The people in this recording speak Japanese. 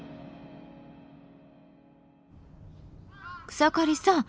草刈さん